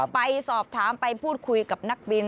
ไปสอบถามไปพูดคุยกับนักบิน